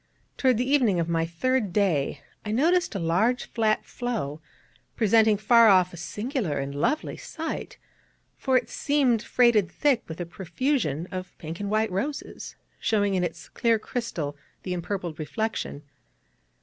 Toward the evening of my third day out I noticed a large flat floe, presenting far off a singular and lovely sight, for it seemed freighted thick with a profusion of pink and white roses, showing in its clear crystal the empurpled reflection.